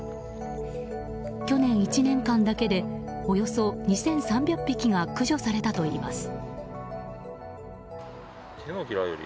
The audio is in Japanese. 去年１年間だけでおよそ２３００匹が駆除されたといいます。